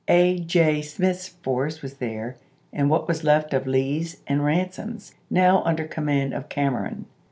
A. J. Smith's force was mi. there and what was left of Lee's and Eansom's, now under command of Cameron.